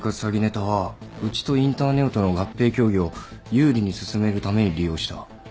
詐欺ネタはうちとインターネオとの合併協議を有利に進めるために利用した。